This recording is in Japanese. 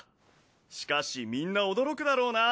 しかしみんな驚くだろうな。